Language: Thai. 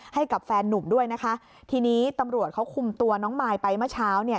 ให้กับแฟนนุ่มด้วยนะคะทีนี้ตำรวจเขาคุมตัวน้องมายไปเมื่อเช้าเนี่ย